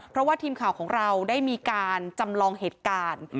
เพราะว่าทีมข่าวของเราได้มีการจำลองเหตุการณ์